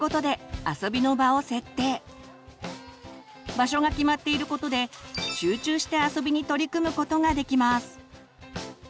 場所が決まっていることで集中して遊びに取り組むことができます。